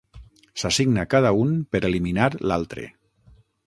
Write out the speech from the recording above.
S'assigna cada un per eliminar l'altre.